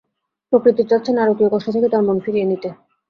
প্রকৃতি চাচ্ছে নারকীয় কষ্ট থেকে তাঁর মন ফিরিয়ে নিতে।